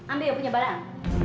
ambil punya barang